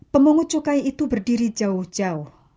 pemungut cukai itu berdiri jauh jauh